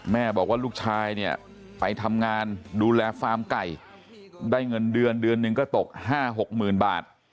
แม่บอกว่าลูกชายเนี่ยไปทำงานดูแลฟาร์มไก่ได้เงินเดือนเดือนหนึ่งก็ตก๕๖๐๐๐บาท